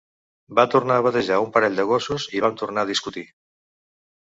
Va tornar a batejar un parell de gossos i vam tornar a discutir.